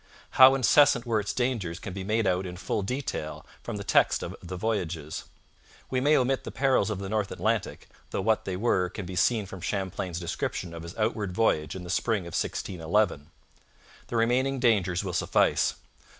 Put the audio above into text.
How incessant were its dangers can be made out in full detail from the text of the Voyages. We may omit the perils of the North Atlantic, though what they were can be seen from Champlain's description of his outward voyage in the spring of 1611. The remaining dangers will suffice.